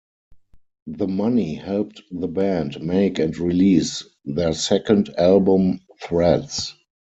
The money helped the band make and release their second album "Threads".